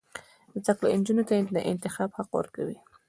زده کړه نجونو ته د انتخاب حق ورکوي.